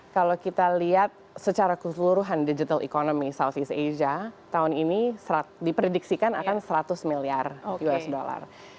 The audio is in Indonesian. kalau kita lihat secara keseluruhan digital economy south east asia tahun ini diprediksikan akan seratus miliar us dollar